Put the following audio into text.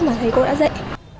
mà thấy cô đã dạy